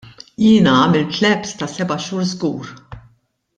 Jiena għamilt lapse ta' seba' xhur żgur.